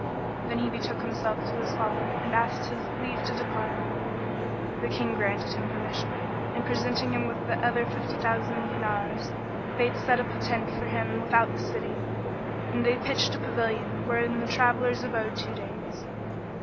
Then he betook himself to his father and asked his leave to depart. The King granted him permission and, presenting him with other fifty thousand dinars, bade set up a tent for him without the city and they pitched a pavilion wherein the travellers abode two days.